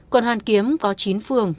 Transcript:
quận hoàn kiếm có chín phường